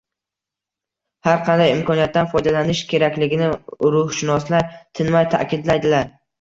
har qanday imkoniyatdan foydalanish kerakligini ruhshunoslar tinmay ta’kidlaydilar.